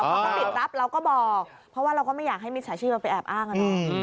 พอปิดรับเราก็บอกเพราะว่าเราก็ไม่อยากให้มิตรชายชีวิตมาไปแอบอ้างนะ